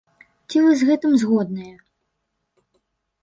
Ці вы з гэтым згодныя?